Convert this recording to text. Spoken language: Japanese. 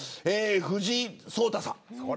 藤井聡太さん。